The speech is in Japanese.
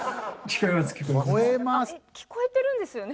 聞こえてるんですよね？